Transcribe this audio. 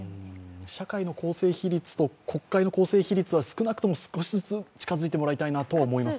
社会の構成比率と国会の構成比率は少しずつ近づいてもらいたいと思います。